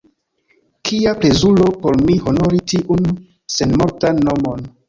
Kia plezuro por mi honori tiun senmortan nomon!